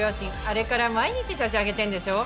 あれから毎日写真上げてるんでしょ？